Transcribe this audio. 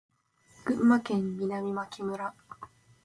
群馬県南牧村